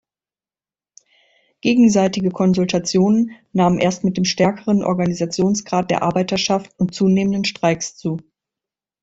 Gegenseitige Konsultationen nahmen erst mit dem stärkeren Organisationsgrad der Arbeiterschaft und zunehmenden Streiks zu.